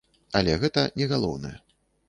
Але гэта не галоўнае.